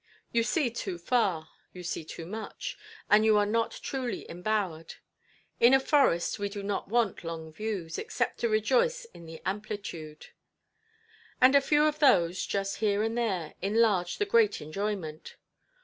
You see too far, you see too much, and you are not truly embowered. In a forest we do not want long views, except to rejoice in the amplitude. And a few of those, just here and there, enlarge the great enjoyment.